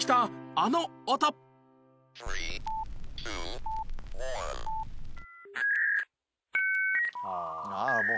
ああもう。